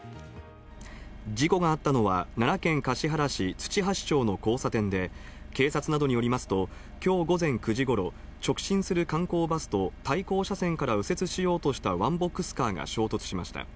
事故があったのは、奈良県橿原市土橋町の交差点で、警察などによりますと、きょう午前９時ごろ、直進する観光バスと対向車線から右折しようとしたワンボックスカーが衝突しました。